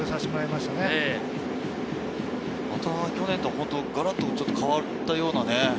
まだ去年とガラっと変わったような。